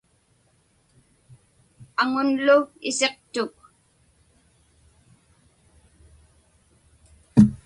Aŋunlu isiqtuk.